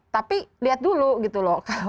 tapi lihat dulu gitu loh